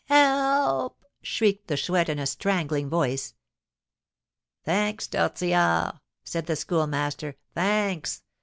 "Help!" shrieked the Chouette, in a strangling voice. "Thanks, Tortillard!" said the Schoolmaster, "thanks.